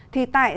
thì tại sao